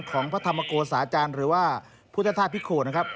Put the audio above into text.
ของพระธรรมโกสาจารย์หรือว่าพุทธธาตุพิโขนะครับ